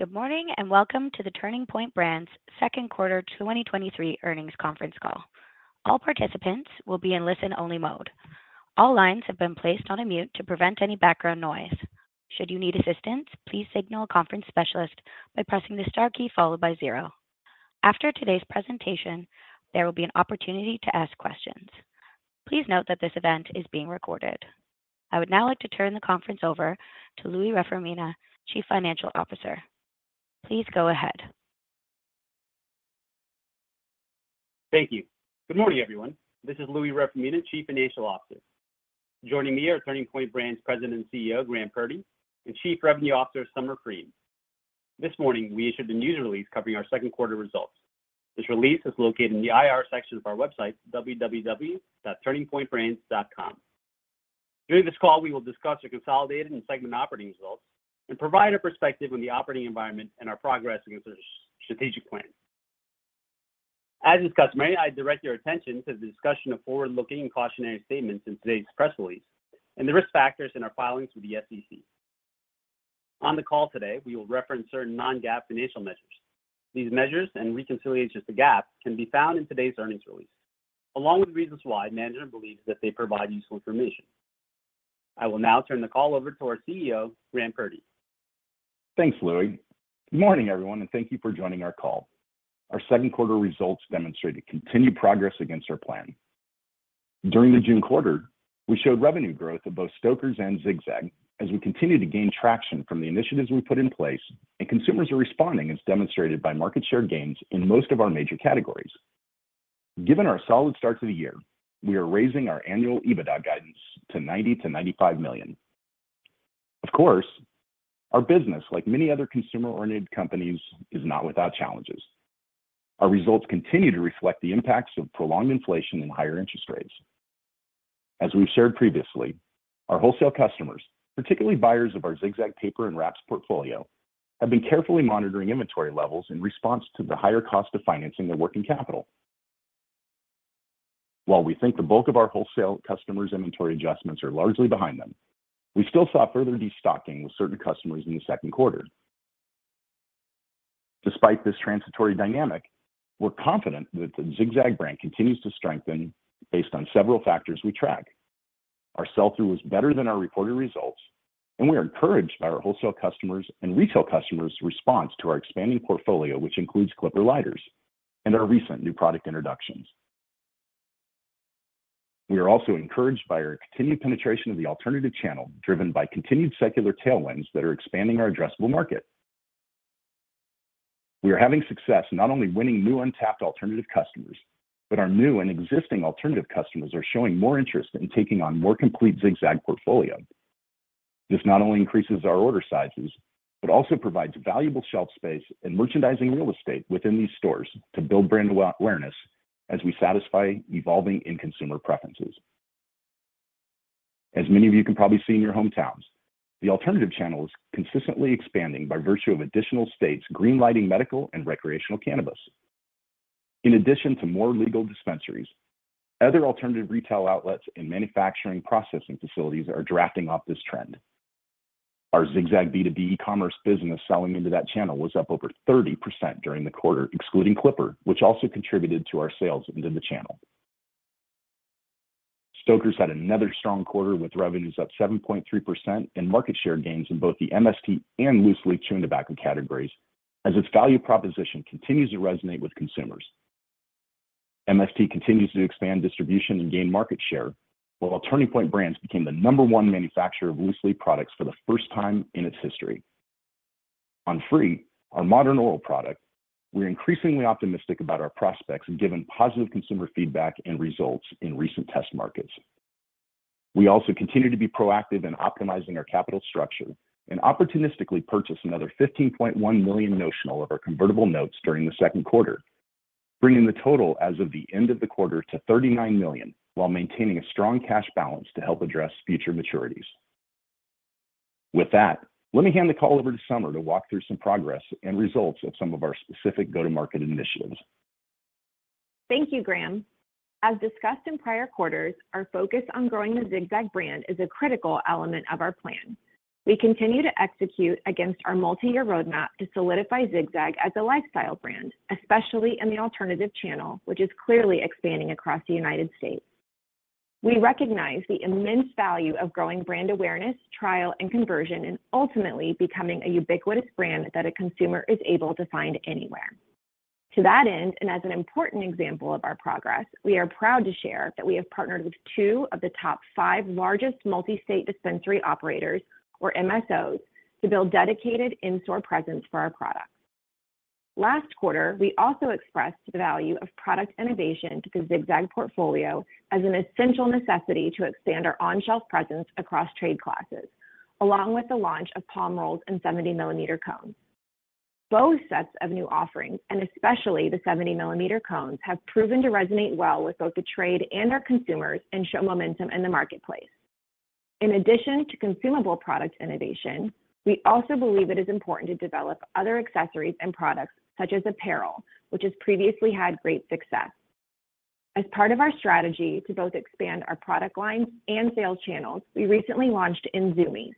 Good morning, and welcome to the Turning Point Brands' Second Quarter 2023 Earnings Conference Call. All participants will be in listen-only mode. All lines have been placed on mute to prevent any background noise. Should you need assistance, please signal a conference specialist by pressing the star key followed by zero. After today's presentation, there will be an opportunity to ask questions. Please note that this event is being recorded. I would now like to turn the conference over to Louie Reformina, Chief Financial Officer. Please go ahead. Thank you. Good morning, everyone. This is Louie Reformina, Chief Financial Officer. Joining me are Turning Point Brands President and CEO, Graham Purdy, and Chief Revenue Officer, Summer Frein. This morning, we issued a news release covering our second quarter results. This release is located in the IR section of our website, www.turningpointbrands.com. During this call, we will discuss our consolidated and segment operating results and provide a perspective on the operating environment and our progress against our strategic plan. As is customary, I direct your attention to the discussion of forward-looking and cautionary statements in today's press release and the risk factors in our filings with the SEC. On the call today, we will reference certain non-GAAP financial measures. These measures and reconciliations to GAAP can be found in today's earnings release, along with reasons why management believes that they provide useful information. I will now turn the call over to our CEO, Graham Purdy. Thanks, Louie. Good morning, everyone, and thank you for joining our call. Our second-quarter results demonstrated continued progress against our plan. During the June quarter, we showed revenue growth of both Stoker's and Zig-Zag as we continue to gain traction from the initiatives we put in place, and consumers are responding, as demonstrated by market share gains in most of our major categories. Given our solid start to the year, we are raising our annual EBITDA guidance to $90 million to $95 million. Of course, our business, like many other consumer-oriented companies, is not without challenges. Our results continue to reflect the impacts of prolonged inflation and higher interest rates. As we've shared previously, our wholesale customers, particularly buyers of our Zig-Zag paper and wraps portfolio, have been carefully monitoring inventory levels in response to the higher cost of financing their working capital. While we think the bulk of our wholesale customers' inventory adjustments are largely behind them, we still saw further destocking with certain customers in the second quarter. Despite this transitory dynamic, we're confident that the Zig-Zag brand continues to strengthen based on several factors we track. Our sell-through was better than our reported results. We are encouraged by our wholesale customers' and retail customers' response to our expanding portfolio, which includes Clipper lighters and our recent new product introductions. We are also encouraged by our continued penetration of the alternative channel, driven by continued secular tailwinds that are expanding our addressable market. We are having success not only winning new untapped alternative customers. Our new and existing alternative customers are showing more interest in taking on more complete Zig-Zag portfolio. This not only increases our order sizes, but also provides valuable shelf space and merchandising real estate within these stores to build brand awareness as we satisfy evolving end consumer preferences. As many of you can probably see in your hometowns, the alternative channel is consistently expanding by virtue of additional states green-lighting medical and recreational cannabis. In addition to more legal dispensaries, other alternative retail outlets and manufacturing processing facilities are drafting off this trend. Our Zig-Zag B2B e-commerce business selling into that channel was up over 30% during the quarter, excluding Clipper, which also contributed to our sales into the channel. Stoker's had another strong quarter, with revenues up 7.3% and market share gains in both the MST and loose leaf chewing tobacco categories, as its value proposition continues to resonate with consumers. MST continues to expand distribution and gain market share, while Turning Point Brands became the number one manufacturer of loose-leaf products for the first time in its history. On Fré, our modern oral product, we're increasingly optimistic about our prospects, given positive consumer feedback and results in recent test markets. We also continue to be proactive in optimizing our capital structure and opportunistically purchase another $15.1 million notional of our convertible notes during the second quarter, bringing the total as of the end of the quarter to $39 million, while maintaining a strong cash balance to help address future maturities. With that, let me hand the call over to Summer to walk through some progress and results of some of our specific go-to-market initiatives. Thank you, Graham. As discussed in prior quarters, our focus on growing the Zig-Zag brand is a critical element of our plan. We continue to execute against our multi-year roadmap to solidify Zig-Zag as a lifestyle brand, especially in the alternative channel, which is clearly expanding across the United States. We recognize the immense value of growing brand awareness, trial, and conversion, and ultimately becoming a ubiquitous brand that a consumer is able to find anywhere. To that end, and as an important example of our progress, we are proud to share that we have partnered with two of the top five largest multi-state dispensary operators, or MSOs, to build dedicated in-store presence for our products. Last quarter, we also expressed the value of product innovation to the Zig-Zag portfolio as an essential necessity to expand our on-shelf presence across trade classes, along with the launch of Palm Rolls and 70-millimeter cones. Both sets of new offerings, and especially the 70-millimeter cones, have proven to resonate well with both the trade and our consumers and show momentum in the marketplace. In addition to consumable product innovation, we also believe it is important to develop other accessories and products such as apparel, which has previously had great success. As part of our strategy to both expand our product lines and sales channels, we recently launched in Zumiez,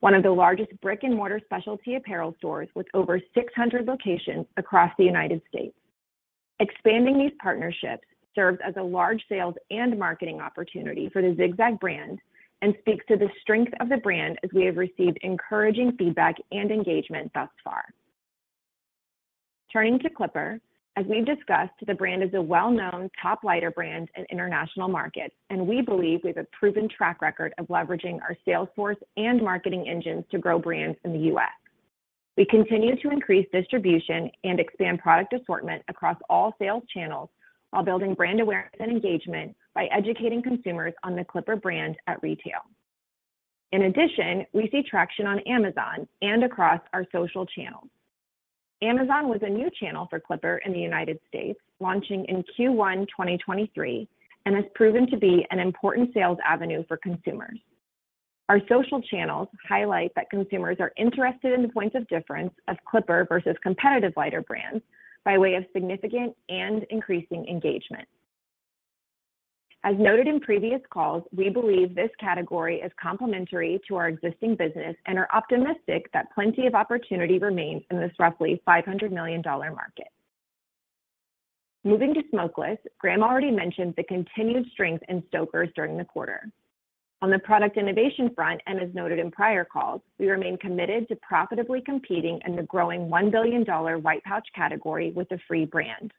one of the largest brick-and-mortar specialty apparel stores, with over 600 locations across the United States. Expanding these partnerships serves as a large sales and marketing opportunity for the Zig-Zag brand, and speaks to the strength of the brand as we have received encouraging feedback and engagement thus far. Turning to Clipper, as we've discussed, the brand is a well-known, top lighter brand in international markets, and we believe we have a proven track record of leveraging our sales force and marketing engines to grow brands in the U.S. We continue to increase distribution and expand product assortment across all sales channels, while building brand awareness and engagement by educating consumers on the Clipper brand at retail. In addition, we see traction on Amazon and across our social channels. Amazon was a new channel for Clipper in the United States, launching in Q1 2023, and has proven to be an important sales avenue for consumers. Our social channels highlight that consumers are interested in the points of difference of Clipper versus competitive lighter brands, by way of significant and increasing engagement. As noted in previous calls, we believe this category is complementary to our existing business and are optimistic that plenty of opportunity remains in this roughly $500 million market. Moving to Smokeless, Graham already mentioned the continued strength in Stoker's during the quarter. As noted in prior calls, we remain committed to profitably competing in the growing $1 billion white pouch category with a free brand.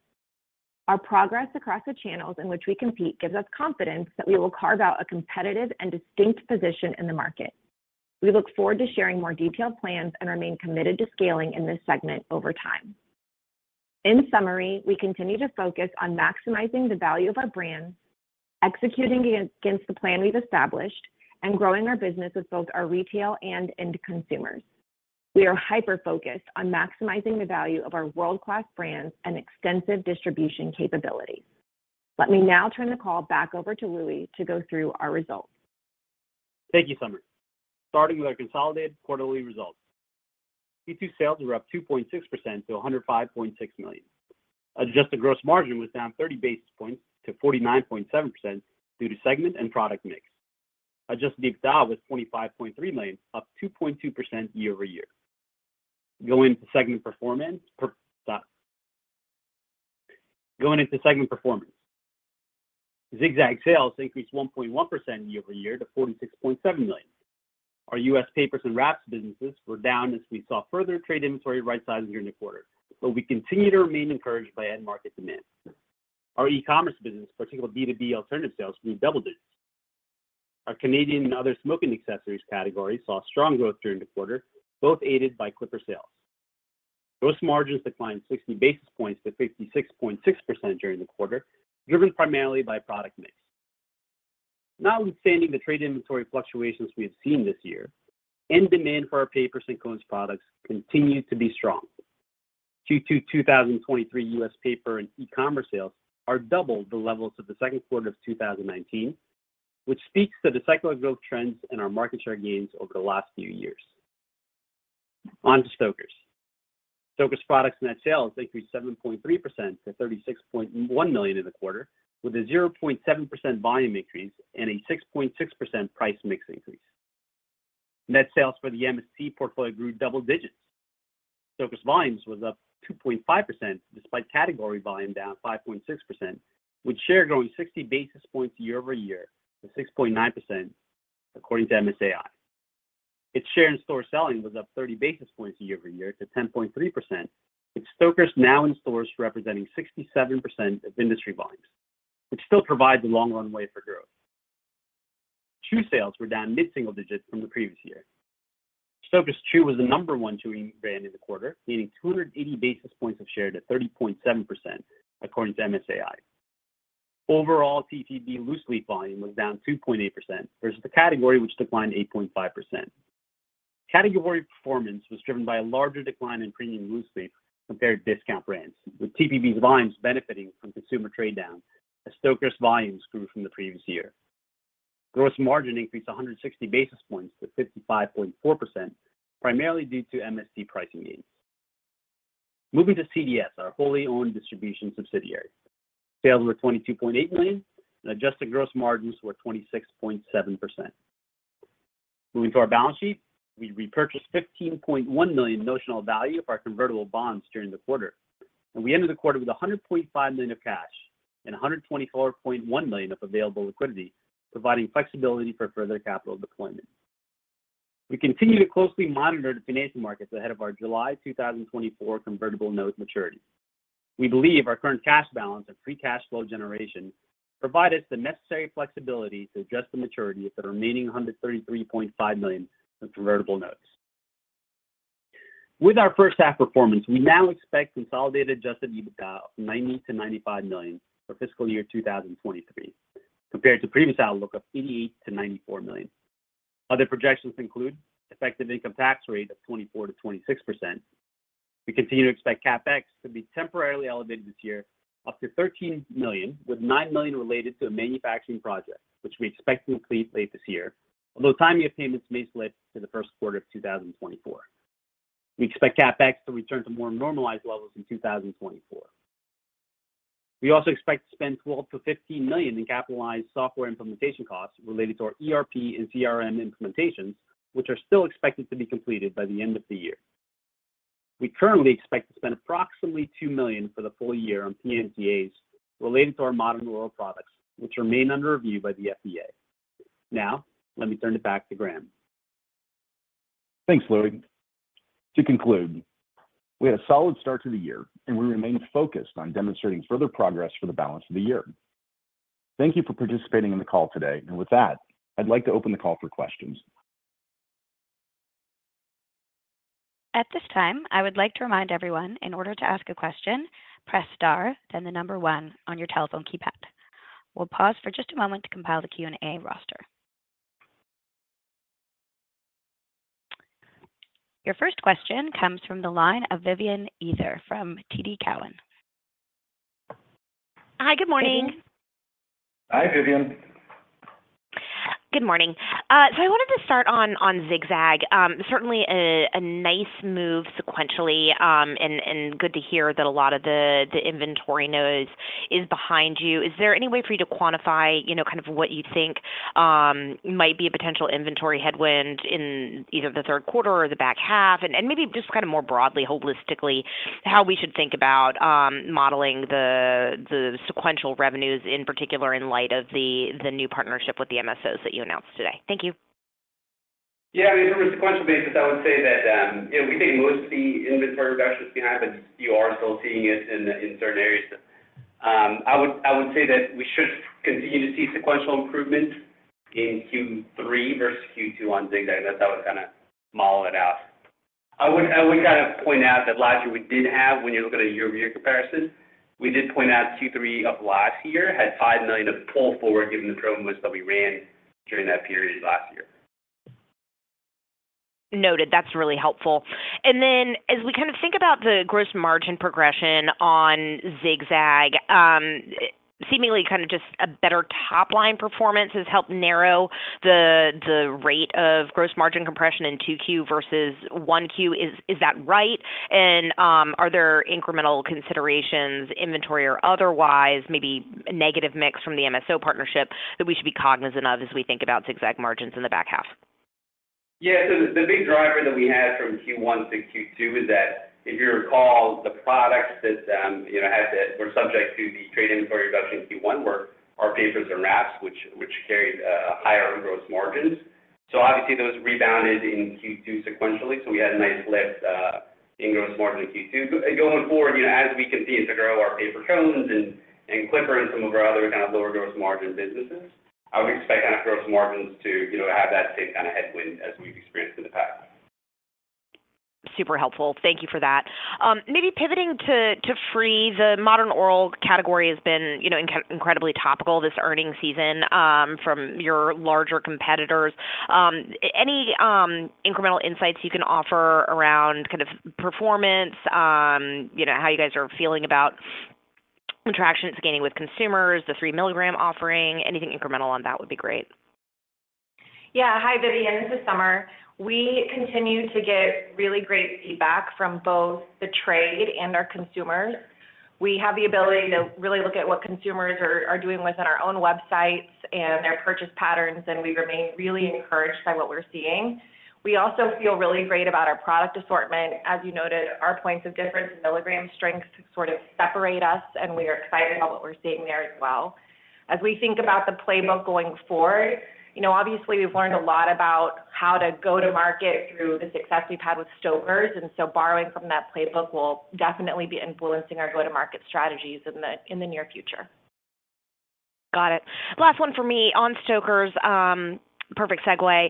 Our progress across the channels in which we compete gives us confidence that we will carve out a competitive and distinct position in the market. We look forward to sharing more detailed plans and remain committed to scaling in this segment over time. In summary, we continue to focus on maximizing the value of our brands, executing against the plan we've established, and growing our business with both our retail and end consumers. We are hyper-focused on maximizing the value of our world-class brands and extensive distribution capabilities. Let me now turn the call back over to Louie to go through our results. Thank you, Summer. Starting with our consolidated quarterly results. Q2 sales were up 2.6% to $105.6 million. Adjusted gross margin was down 30 basis points to 49.7% due to segment and product mix. Adjusted EBITDA was $25.3 million, up 2.2% year-over-year. Going into segment performance, Zig-Zag sales increased 1.1% year-over-year to $46.7 million. Our U.S. papers and wraps businesses were down as we saw further trade inventory right-sizing during the quarter, but we continue to remain encouraged by end-market demand. Our e-commerce business, particularly B2B alternative sales, grew double digits. Our Canadian and other smoking accessories categories saw strong growth during the quarter, both aided by Clipper sales. Gross margins declined 60 basis points to 56.6% during the quarter, driven primarily by product mix. Notwithstanding the trade inventory fluctuations we have seen this year, end demand for our papers and cones products continued to be strong. Q2 2023 US paper and e-commerce sales are double the levels of the second quarter of 2019, which speaks to the cyclical growth trends and our market share gains over the last few years. On to Stoker's. Stoker's products net sales increased 7.3% to $36.1 million in the quarter, with a 0.7% volume increase and a 6.6% price mix increase. Net sales for the MST portfolio grew double digits. Stoker's volumes was up 2.5%, despite category volume down 5.6%, with share growing 60 basis points year-over-year to 6.9%, according to MSAI. Its share in store selling was up 30 basis points year-over-year to 10.3%, with Stoker's now in stores representing 67% of industry volumes, which still provides a long runway for growth. Chew sales were down mid-single digits from the previous year. Stoker's Chew was the number 1 chewing brand in the quarter, gaining 280 basis points of share to 30.7%, according to MSAI. Overall, TPD loose leaf volume was down 2.8% versus the category, which declined 8.5%. Category performance was driven by a larger decline in premium loose leaf compared to discount brands, with TPD volumes benefiting from consumer trade downs as Stoker's volumes grew from the previous year. Gross margin increased 160 basis points to 55.4%, primarily due to MST pricing gains. Moving to CDS, our fully owned distribution subsidiary. Sales were $22.8 million, and adjusted gross margins were 26.7%. Moving to our balance sheet, we repurchased $15.1 million notional value of our convertible bonds during the quarter, and we ended the quarter with $100.5 million of cash and $124.1 million of available liquidity, providing flexibility for further capital deployment. We continue to closely monitor the financial markets ahead of our July 2024 convertible note maturity. We believe our current cash balance and free cash flow generation provide us the necessary flexibility to adjust the maturity of the remaining $133.5 million of convertible notes. With our first half performance, we now expect consolidated adjusted EBITDA of $90 million to $95 million for fiscal year 2023, compared to previous outlook of $88 million to $94 million. Other projections include effective income tax rate of 24%-26%. We continue to expect CapEx to be temporarily elevated this year, up to $13 million, with $9 million related to a manufacturing project, which we expect to complete late this year, although timing of payments may slip to the first quarter of 2024. We expect CapEx to return to more normalized levels in 2024. We also expect to spend $12 million to $15 million in capitalized software implementation costs related to our ERP and CRM implementations, which are still expected to be completed by the end of the year. We currently expect to spend approximately $2 million for the full year on PMTAs related to our modern oral products, which remain under review by the FDA. Let me turn it back to Graham. Thanks, Louie. To conclude, we had a solid start to the year. We remain focused on demonstrating further progress for the balance of the year. Thank you for participating in the call today. With that, I'd like to open the call for questions. At this time, I would like to remind everyone, in order to ask a question, press star, then the one on your telephone keypad. We'll pause for just a moment to compile the Q&A roster. Your first question comes from the line of Vivian Azer from TD Cowen. Hi, good morning. Hi, Vivian. Good morning. I wanted to start on Zig-Zag. Certainly a nice move sequentially, and good to hear that a lot of the inventory noise is behind you. Is there any way for you to quantify, you know, kind of what you think, might be a potential inventory headwind in either the third quarter or the back half? Maybe just kind of more broadly, holistically, how we should think about, modeling the sequential revenues, in particular, in light of the new partnership with the MSOs that you announced today. Thank you. Yeah, I mean, from a sequential basis, I would say that, you know, we think most of the inventory reductions we have, and you are still seeing it in certain areas. I would, I would say that we should continue to see sequential improvement in Q3 versus Q2 on Zig-Zag, and that's how I would kinda model it out. I would, I would kind of point out that last year, we did have, when you're looking at a year-over-year comparison, we did point out Q3 of last year had $5 million of pull forward given the promotions that we ran during that period last year. Noted. That's really helpful. As we kind of think about the gross margin progression on Zig-Zag, seemingly kind of just a better top-line performance has helped narrow the rate of gross margin compression in 2Q versus 1Q. Is, is that right? Are there incremental considerations, inventory or otherwise, maybe negative mix from the MSO partnership, that we should be cognizant of as we think about Zig-Zag margins in the back half? Yeah. The big driver that we had from Q1 to Q2 is that, if you recall, the products that, you know, were subject to the trade inventory reduction in Q1 were our papers and wraps, which carried higher gross margins. Obviously, those rebounded in Q2 sequentially, so we had a nice lift in gross margin in Q2. Going forward as we continue to grow our paper cones and Clipper and some of our other kind of lower gross margin businesses, I would expect our gross margins to have that same kind of headwind as we've experienced in the past. Super helpful. Thank you for that. Maybe pivoting to Frein, the modern oral category has been, you know, incredibly topical this earnings season, from your larger competitors. Any incremental insights you can offer around kind of performance, you know, how you guys are feeling about traction it's gaining with consumers, the 3-milligram offering? Anything incremental on that would be great. Yeah. Hi, Vivian, this is Summer. We continue to get really great feedback from both the trade and our consumers. We have the ability to really look at what consumers are doing within our own websites and their purchase patterns. We remain really encouraged by what we're seeing. We also feel really great about our product assortment. As you noted, our points of difference in milligram strength sort of separate us. We are excited about what we're seeing there as well. As we think about the playbook going forward, you know, obviously, we've learned a lot about how to go to market through the success we've had with Stoker's. Borrowing from that playbook will definitely be influencing our go-to-market strategies in the near future. Got it. Last one for me. On Stoker's, perfect segue.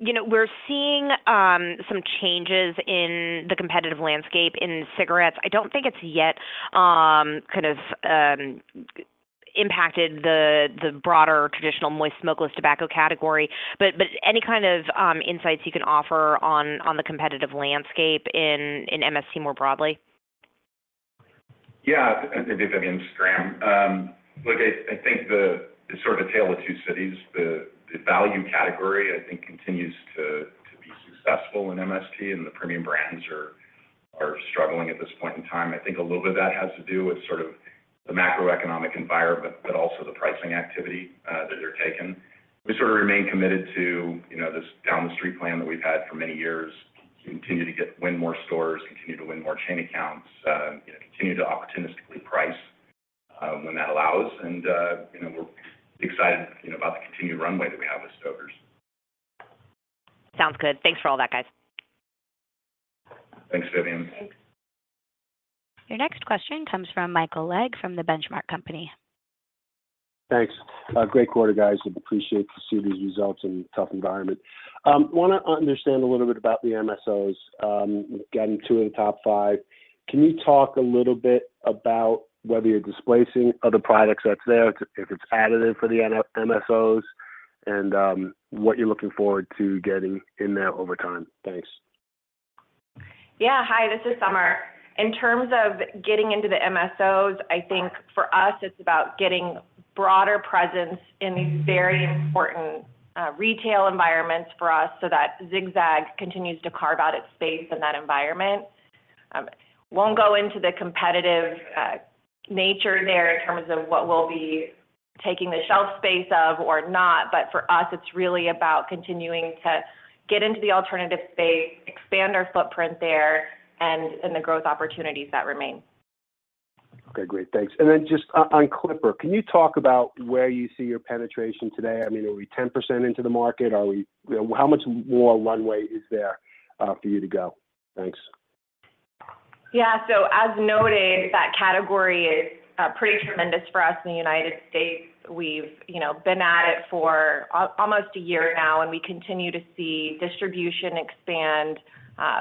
You know, we're seeing some changes in the competitive landscape in cigarettes. I don't think it's yet, kind of, impacted the broader traditional moist, smokeless tobacco category, but any kind of insights you can offer on the competitive landscape in MST more broadly? Yeah, Graham. Look, I think the, it's sort of a tale of two cities. The value category, I think, continues to be successful in MST, and the premium brands are struggling at this point in time. I think a little bit of that has to do with sort of the macroeconomic environment, but also the pricing activity that they're taking. We sort of remain committed to this down the street plan that we've had for many years, continue to win more stores, continue to win more chain accounts, you know, continue to opportunistically price when that allows, and, you know, we're excited, you know, about the continued runway that we have with Stoker's. Sounds good. Thanks for all that, guys. Thanks, Vivian. Thanks. Your next question comes from Michael Legg, from the Benchmark Company. Thanks. A great quarter, guys. We appreciate to see these results in a tough environment. Wanna understand a little bit about the MSOs, getting two of the top five. Can you talk a little bit about whether you're displacing other products that's there, if it's additive for the MSOs, and what you're looking forward to getting in there over time? Thanks. Yeah. Hi, this is Summer. In terms of getting into the MSOs, I think for us it's about getting broader presence in these very important retail environments for us, so that Zig-Zag continues to carve out its space in that environment. I won't go into the competitive nature there in terms of what we'll be taking the shelf space of or not. For us, it's really about continuing to get into the alternative space, expand our footprint there, and the growth opportunities that remain. Okay, great. Thanks. Just on Clipper, can you talk about where you see your penetration today? I mean, are we 10% into the market? You know, how much more runway is there for you to go? Thanks. Yeah. As noted, that category is pretty tremendous for us in the United States. We've, you know, been at it for almost a year now, and we continue to see distribution expand,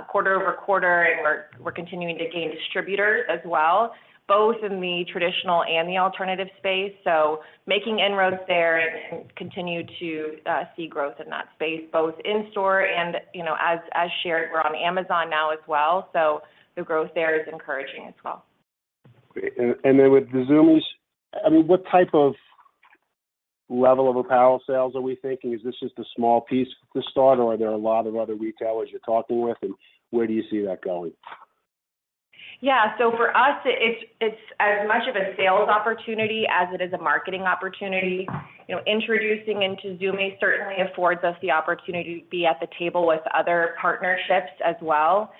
quarter-over-quarter, and we're continuing to gain distributors as well, both in the traditional and the alternative space. Making inroads there and continue to see growth in that space, both in store and as shared, we're on Amazon now as well. The growth there is encouraging as well. Great. Then with the Zumiez, I mean, what type of level of apparel sales are we thinking? Is this just a small piece to start, or are there a lot of other retailers you're talking with, and where do you see that going? Yeah. For us, it's, it's as much of a sales opportunity as it is a marketing opportunity. You know, introducing into Zumiez certainly affords us the opportunity to be at the table with other partnerships as well.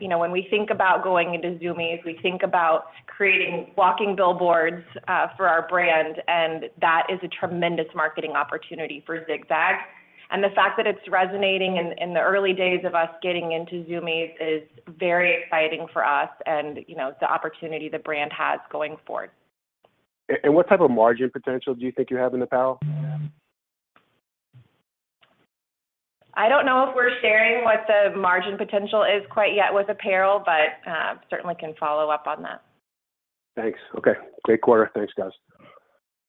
You know, when we think about going into Zumiez, we think about creating walking billboards for our brand, and that is a tremendous marketing opportunity for Zig-Zag. The fact that it's resonating in, in the early days of us getting into Zumiez is very exciting for us and, you know, the opportunity the brand has going forward. And what type of margin potential do you think you have in apparel? I don't know if we're sharing what the margin potential is quite yet with apparel, but, certainly can follow up on that. Thanks. Okay. Great quarter. Thanks, guys.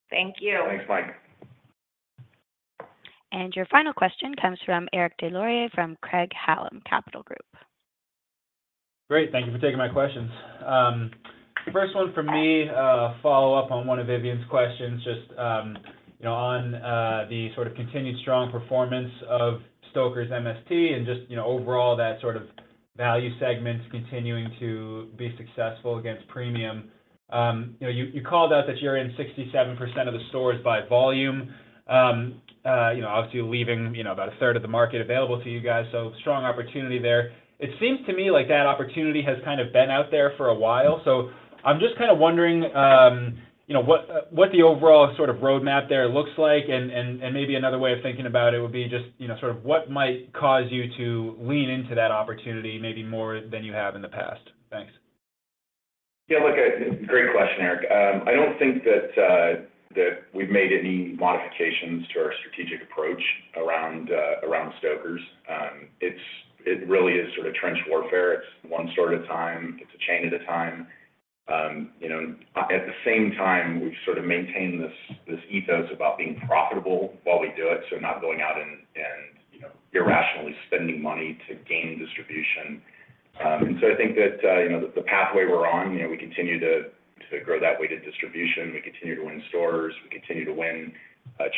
Thank you. Thanks, Mike. Your final question comes from Eric Des Lauriers, from Craig-Hallum Capital Group. Great. Thank you for taking my questions. The first one from me, follow up on one of Vivian's questions, just, you know, on the sort of continued strong performance of Stoker's MST and just overall, that sort of value segment continuing to be successful against premium. You called out that you're in 67% of the stores by volume, you know, obviously leaving, you know, about a third of the market available to you guys, so strong opportunity there. It seems to me like that opportunity has kind of been out there for a while. I'm just kind of wondering, you know, what, what the overall sort of roadmap there looks like, and maybe another way of thinking about it would be just, you know, sort of what might cause you to lean into that opportunity, maybe more than you have in the past? Thanks. Yeah, look, great question, Eric. I don't think that we've made any modifications to our strategic approach around Stoker's. It really is sort of trench warfare. It's one store at a time. It's a chain at a time. You know, at the same time, we've sort of maintained this ethos about being profitable while we do it, so not going out and irrationally spending money to gain distribution. I think that, you know, the pathway we're on we continue to grow that way to distribution, we continue to win stores, we continue to win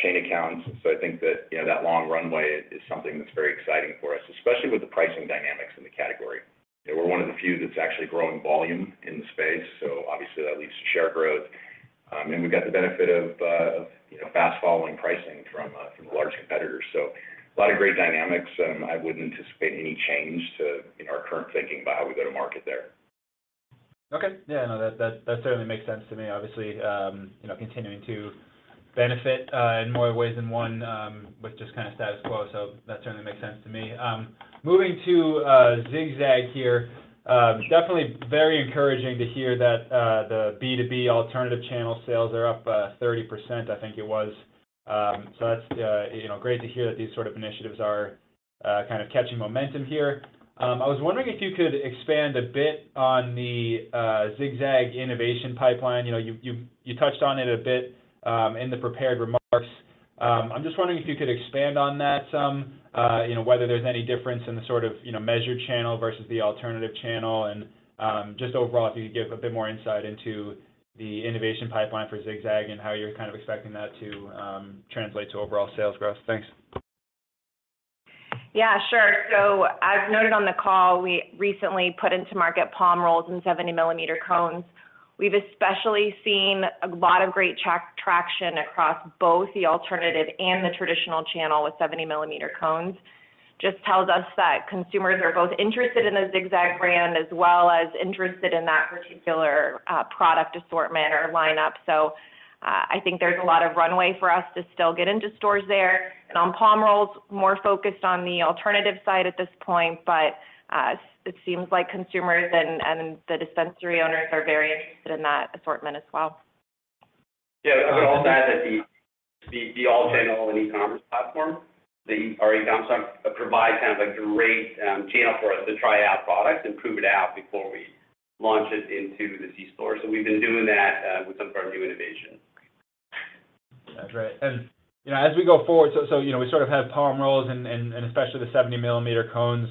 chain accounts. I think that hat long runway is something that's very exciting for us, especially with the pricing dynamics in the category. We're one of the few that's actually growing volume in the space, so obviously, that leaves share growth. We've got the benefit of fast-following pricing from, from the large competitors. A lot of great dynamics. I wouldn't anticipate any change to our current thinking about how we go to market there. Okay. Yeah, no, that certainly makes sense to me. Obviously, you know, continuing to benefit in more ways than one with just kind of status quo. That certainly makes sense to me. Moving to Zig-Zag here, definitely very encouraging to hear that the B2B alternative channel sales are up 30%, I think it was. That's great to hear that these sort of initiatives are kind of catching momentum here. I was wondering if you could expand a bit on the Zig-Zag innovation pipeline. You touched on it a bit in the prepared remarks. I'm just wondering if you could expand on that some, you know, whether there's any difference in the sort of, you know, measured channel versus the alternative channel, just overall, if you could give a bit more insight into the innovation pipeline for Zig-Zag and how you're kind of expecting that to translate to overall sales growth. Thanks. Yeah, sure. As noted on the call, we recently put into market palm rolls and 70-millimeter cones. We've especially seen a lot of great traction across both the alternative and the traditional channel with 70-millimeter cones. Just tells us that consumers are both interested in the Zig-Zag brand, as well as interested in that particular product assortment or lineup. I think there's a lot of runway for us to still get into stores there. On palm rolls, more focused on the alternative side at this point, but it seems like consumers and the dispensary owners are very interested in that assortment as well. Yeah, I'll add that the all-channel and e-commerce platform, the RE-Up, provides kind of a great channel for us to try out products and prove it out before we launch it into the C store. We've been doing that with some of our new innovations. That's right. As we go forward, we had palm rolls and especially the 70-millimeter cones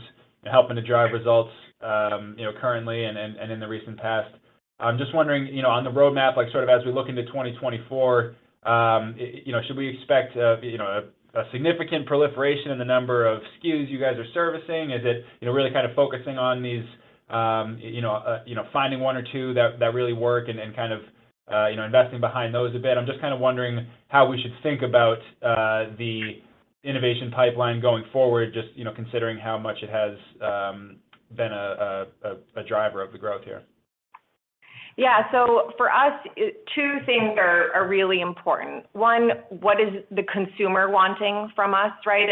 helping to drive results currently and in the recent past. I'm just wondering, on the roadmap, as we look into 2024, should we expect a significant proliferation in the number of SKUs you guys are servicing? Is it really focusing on these finding one or two that really work and investing behind those a bit? I'm just kind of wondering how we should think about the innovation pipeline going forward, just onsidering how much it has been a driver of the growth here. Yeah. For us, two things are really important. One, what is the consumer wanting from us, right?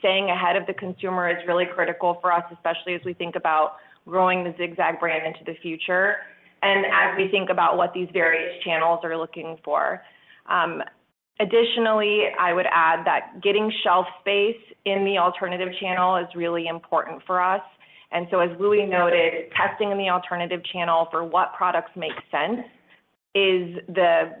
Staying ahead of the consumer is really critical for us, especially as we think about growing the Zig-Zag brand into the future, and as we think about what these various channels are looking for. Additionally, I would add that getting shelf space in the alternative channel is really important for us. As Louie noted, testing in the alternative channel for what products make sense is the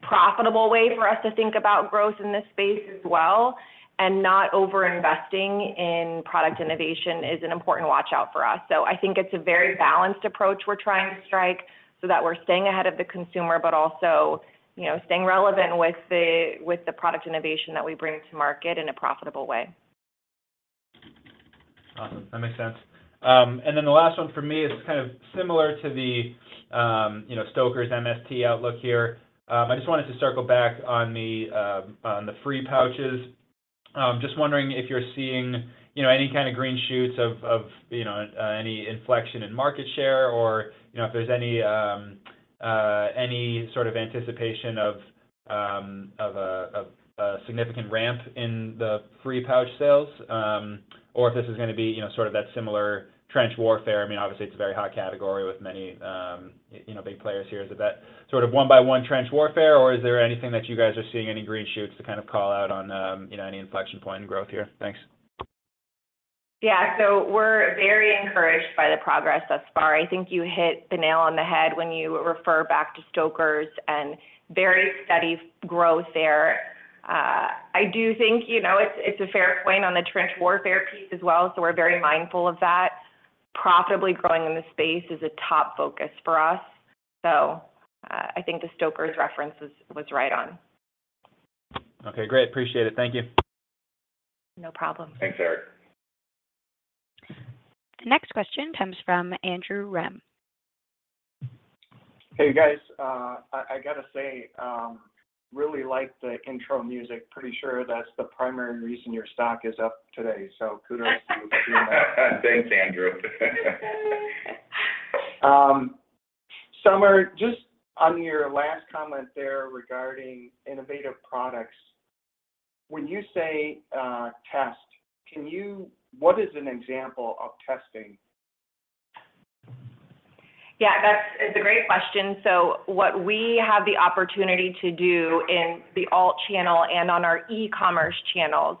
profitable way for us to think about growth in this space as well, and not overinvesting in product innovation is an important watch-out for us. I think it's a very balanced approach we're trying to strike, so that we're staying ahead of the consumer, but also, you know, staying relevant with the product innovation that we bring to market in a profitable way. Awesome. That makes sense. Then the last one for me is kind of similar to the Stoker's MST outlook here. I just wanted to circle back on the free pouches. Just wondering if you're seeing any kind of green shoots of any inflection in market share or, you know, if there's any sort of anticipation of a significant ramp in the free pouch sales, or if this is gonna be that similar trench warfare. I mean, obviously, it's a very hot category with many, you know, big players here. Is it that sort of one-by-one trench warfare, or is there anything that you guys are seeing, any green shoots to kind of call out on, you know, any inflection point in growth here? Thanks. Yeah. We're very encouraged by the progress thus far. I think you hit the nail on the head when you refer back to Stoker's and very steady growth there. I do think it's a fair point on the trench warfare piece as well, so we're very mindful of that. Profitably growing in this space is a top focus for us. I think the Stoker's reference was right on. Okay, great. Appreciate it. Thank you. No problem. Thanks, Eric. The next question comes from Aaron Grey. Hey, guys. I gotta say, really like the intro music. Pretty sure that's the primary reason your stock is up today, so kudos to you for doing that. Thanks, Andrew. Summer, just on your last comment there regarding innovative products, when you say, test, what is an example of testing? Yeah, that's. It's a great question. What we have the opportunity to do in the alt channel and on our e-commerce channels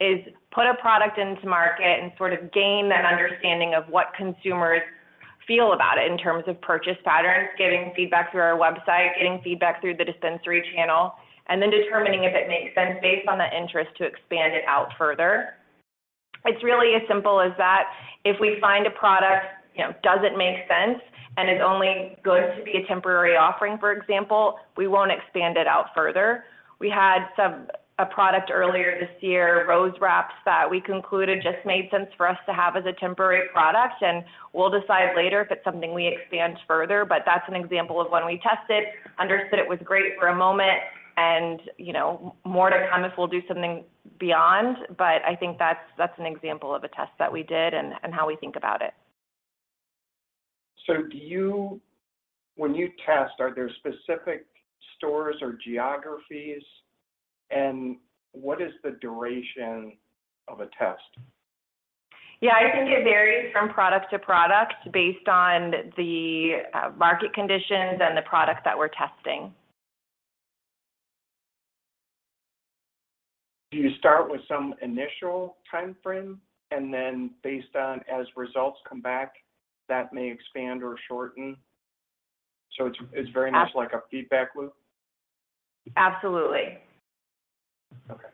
is put a product into market and sort of gain that understanding of what consumers feel about it in terms of purchase patterns, getting feedback through our website, getting feedback through the dispensary channel, and then determining if it makes sense based on the interest to expand it out further. It's really as simple as that. If we find a product, you know, doesn't make sense and is only going to be a temporary offering, for example, we won't expand it out further. We had a product earlier this year, Rose Wraps, that we concluded just made sense for us to have as a temporary product, and we'll decide later if it's something we expand further. That's an example of when we tested, understood it was great for a moment, and, you know, more to come if we'll do something beyond. I think that's an example of a test that we did and how we think about it. When you test, are there specific stores or geographies? What is the duration of a test? Yeah, I think it varies from product to product based on the market conditions and the product that we're testing. Do you start with some initial timeframe, and then based on as results come back, that may expand or shorten? It's, it's very much like a feedback loop. Absolutely. Okay.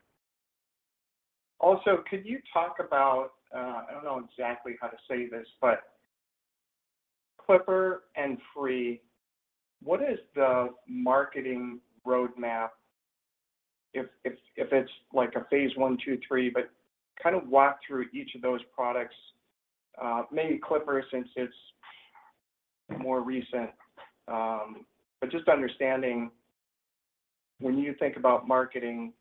Also, could you talk about, I don't know exactly how to say this, but Clipper and Free, what is the marketing roadmap if it's like a phase I, II, III, but kind of walk through each of those products, maybe Clipper, since it's more recent. Just understanding, when you think about marketing,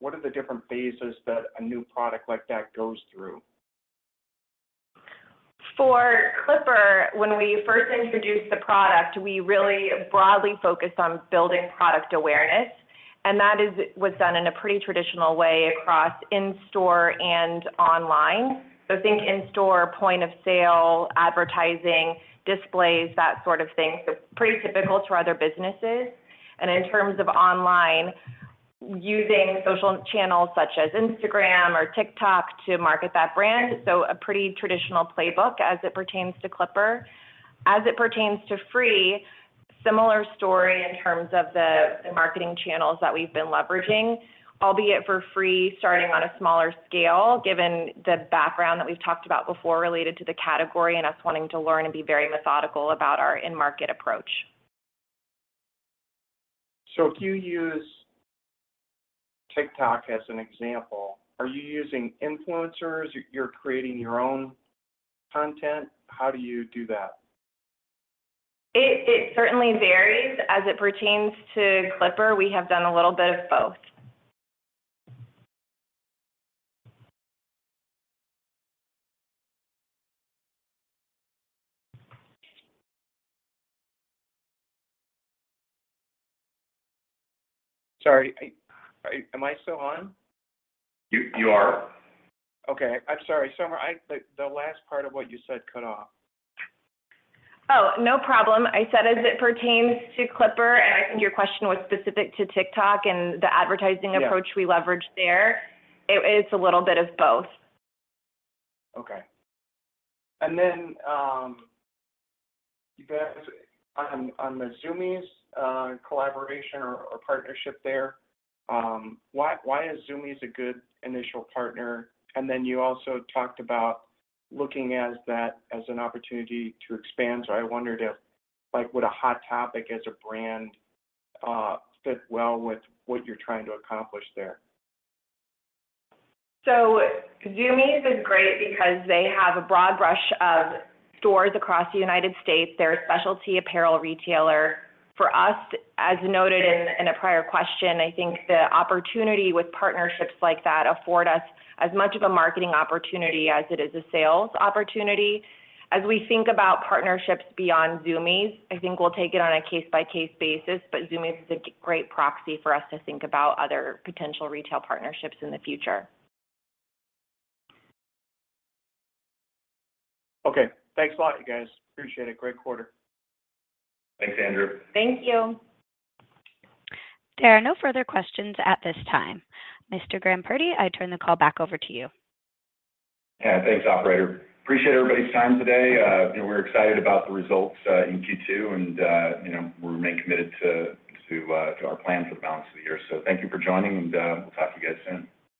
what are the different phases that a new product like that goes through? For Clipper, when we first introduced the product, we really broadly focused on building product awareness, and that was done in a pretty traditional way across in-store and online. Think in-store, point of sale, advertising, displays, that sort of thing. It's pretty typical to other businesses. In terms of online, using social channels such as Instagram or TikTok to market that brand. A pretty traditional playbook as it pertains to Clipper. As it pertains to Free similar story in terms of the marketing channels that we've been leveraging, albeit for free, starting on a smaller scale, given the background that we've talked about before related to the category and us wanting to learn and be very methodical about our in-market approach. If you use TikTok as an example, are you using influencers? You're, you're creating your own content? How do you do that? It certainly varies. As it pertains to Clipper, we have done a little bit of both. Sorry, Am I still on? You are. Okay. I'm sorry, Summer, I, the last part of what you said cut off. Oh, no problem. I said, as it pertains to Clipper, and I think your question was specific to TikTok and the advertising approach we leveraged there it's a little bit of both. Okay. You guys, on the Zumiez collaboration or partnership there, why, why is Zumiez a good initial partner? You also talked about looking as that as an opportunity to expand. I wondered if, like, would a Hot Topic as a brand fit well with what you're trying to accomplish there? Zumiez is great because they have a broad brush of stores across the United States. They're a specialty apparel retailer. For us, as noted in, in a prior question, I think the opportunity with partnerships like that afford us as much of a marketing opportunity as it is a sales opportunity. As we think about partnerships beyond Zumiez, I think we'll take it on a case-by-case basis, but Zumiez is a great proxy for us to think about other potential retail partnerships in the future. Okay. Thanks a lot, you guys. Appreciate it. Great quarter. Thanks, Andrew. Thank you. There are no further questions at this time. Mr. Graham Purdy, I turn the call back over to you. Thanks, operator. Appreciate everybody's time today. You know, we're excited about the results in Q2, and, you know, we remain committed to our plans for the balance of the year. Thank you for joining, and we'll talk to you guys soon.